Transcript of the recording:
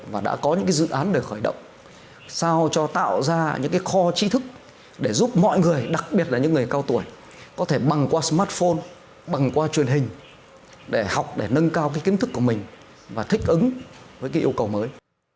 và đã có những dự án để khởi động sao cho tạo ra những kho trí thức để giúp mọi người đặc biệt là những người cao tuổi có thể bằng qua smartphone bằng qua truyền hình để học để nâng cao cái kiến thức của mình và thích ứng với cái yêu cầu mới